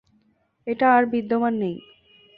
এটা আর বিদ্যমান নেই।